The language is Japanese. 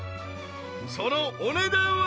［そのお値段は］